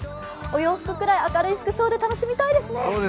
お洋服くらい、明るい服装で楽しみたいですね。